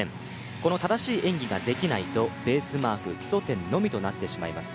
この正しい演技ができないとベースマーク基礎点のみとなってしまいます。